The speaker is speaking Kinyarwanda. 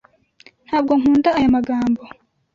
Ntabwo nkunda aya magambo.